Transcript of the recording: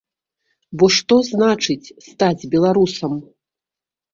Бо што значыць стаць беларусам?